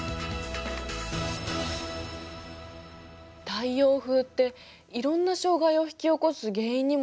太陽風っていろんな障害を引き起こす原因にもなるのね。